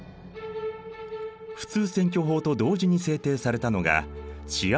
普通選挙法と同時に制定されたのが治安維持法だ。